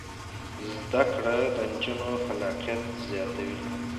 زده کړه د نجونو خلاقیت زیاتوي.